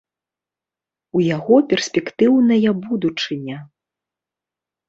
У яго перспектыўная будучыня.